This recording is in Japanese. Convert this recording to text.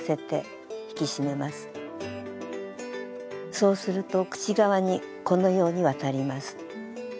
そうすると口側にこのように渡ります。